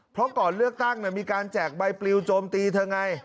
เพราะก่อนเลือกตั้งมีการแจกใบปลิวโจมตีเธอไง